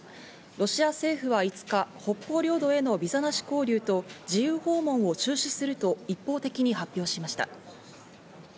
ロシア政府は５日、北方領土へのビザなし交流と自由訪問を中止すると一方的に発表しました。